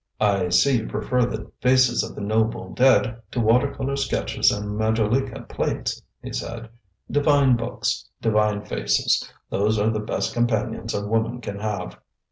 "I see you prefer the faces of the noble dead to water colour sketches and majolica plates," he said. "Divine books, divine faces, those are the best companions a woman can have."